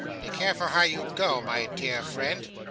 'Be careful how you go, my dear friend.